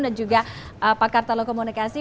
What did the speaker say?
dan juga pak kartalo komunikasi